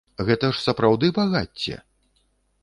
Гэта ж сапраўды багацце?